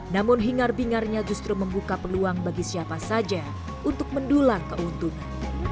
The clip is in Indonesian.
namun hingar bingarnya justru membuka peluang bagi siapa saja untuk mendulang keuntungan